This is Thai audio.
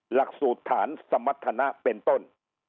หลักสูตรฐานสมรรถนะเป็นต้น